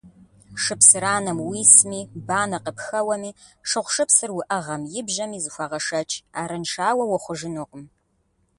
- Шыпсыранэм уисми, банэ къыпхэуэми, шыгъушыпсыр уӏэгъэм ибжьэми, зыхуэгъэшэч, арыншауэ ухъужынукъым.